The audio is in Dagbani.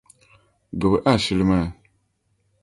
Gbibimi ashili maa.